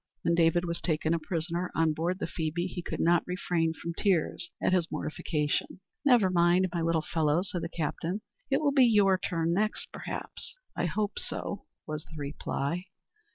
When David was taken a prisoner on board the Phoebe, he could not refrain from tears at his mortification. "Never mind, my little fellow," said the captain; "it will be your turn next, perhaps." "I hope so," was the reply.